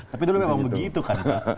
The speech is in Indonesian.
tapi dulu memang begitu kan